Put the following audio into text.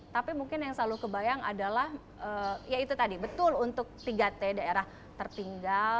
tapi mungkin yang selalu kebayang adalah ya itu tadi betul untuk tiga t daerah tertinggal